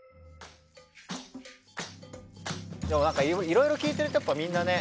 いろいろ聞いてるとやっぱみんなね